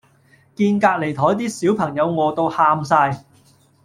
見隔離枱啲小朋友餓到喊哂